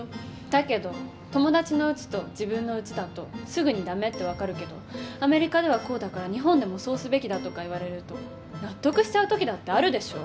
だけど友達のうちと自分のうちだとすぐに駄目って分かるけど「アメリカではこうだから日本でもそうすべきだ」とか言われると納得しちゃう時だってあるでしょ。